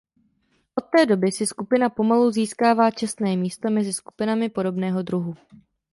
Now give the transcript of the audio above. Od té doby si skupina pomalu získává čestné místo mezi skupinami podobného druhu.